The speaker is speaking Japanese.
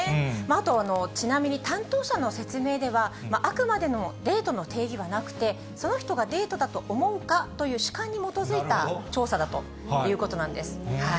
あと、ちなみに担当者の説明では、あくまでもデートの定義はなくて、その人がデートだと思うかという主観に基づいた調査だということなんです。